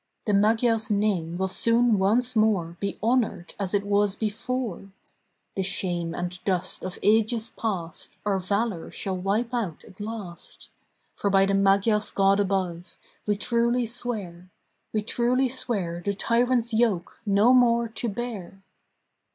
The Magyar's name will soon once more Be honored as it was before! The shame and dust of ages past Our valor shall wipe out at last. For by the Magyar's God above We truly swear, We truly swear the tyrant's yoke No more to bear!